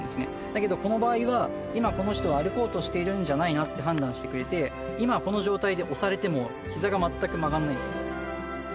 だけど、この場合は、今この人は歩こうとしてるんじゃないなって判断してくれて、今この状態で押されても、ひざが全く曲がんないんです。